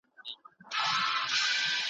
لوستې مور د ماشومانو د ويښتو پاکوالی ساتي.